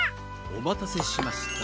おまたせしました。